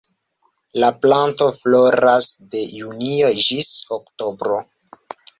La planto floras de junio ĝis oktobro.